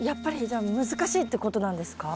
じゃあ難しいってことなんですか？